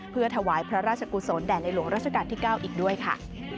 เพื่อถวายพระราชกุศลแด่ในหลวงราชการที่๙อีกด้วยค่ะ